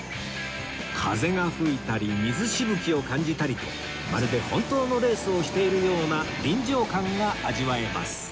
風が吹いたり水しぶきを感じたりとまるで本当のレースをしているような臨場感が味わえます